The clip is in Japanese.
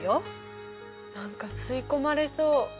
何か吸い込まれそう。